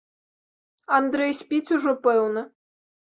Андрэй спіць ужо, пэўна.